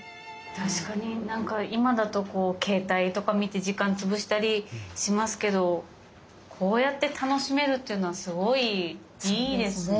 確かになんか今だと携帯とか見て時間潰したりしますけどこうやって楽しめるっていうのはすごいいいですね。